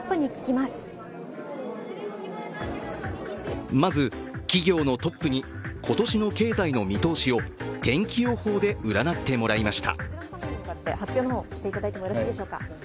まず企業のトップに今年の経済の見通しを天気予報で占ってもらいました。